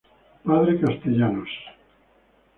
Padre Castellanos.